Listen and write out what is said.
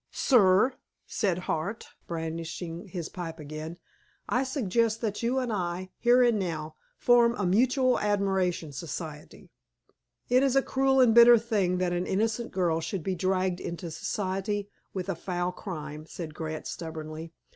"Sir," said Hart, brandishing his pipe again, "I suggest that you and I, here and now, form a mutual admiration society." "It is a cruel and bitter thing that an innocent girl should be dragged into association with a foul crime," said Grant stubbornly.